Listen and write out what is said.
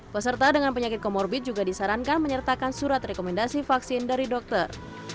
peserta dengan penyakit komorbid juga disarankan menyertakan surat rekomendasi vaksin dari dokter